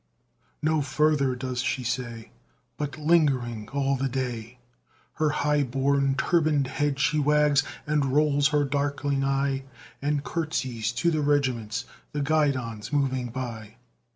_ No further does she say, but lingering all the day, Her high borne turban'd head she wags, and rolls her darkling eye, And courtesies to the regiments, the guidons moving by.